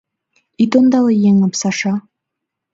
Ит ондале еҥым, Саша.